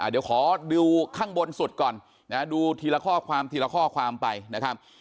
เดี๋ยวขอดูข้างบนสุดก่อนนะดูทีละข้อความทีละข้อความไปนะครับ